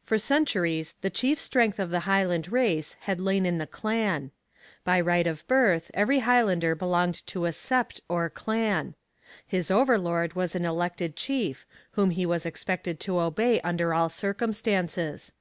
For centuries the chief strength of the Highland race had lain in the clan. By right of birth every Highlander belonged to a sept or clan. His overlord was an elected chief, whom he was expected to obey under all circumstances.